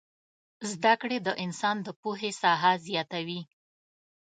زدکړې د انسان د پوهې ساحه زياتوي